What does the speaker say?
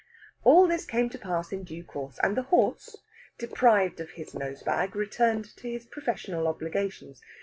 All this came to pass in due course, and the horse, deprived of his nosebag, returned to his professional obligations.